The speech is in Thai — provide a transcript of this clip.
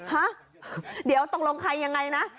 ฮะเดี๋ยวตกลงใครยังไงนะ